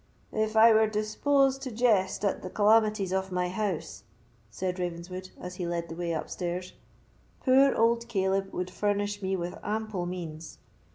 "If I were disposed to jest at the calamities of my house," said Ravenswood, as he led the way upstairs, "poor old Caleb would furnish me with ample means.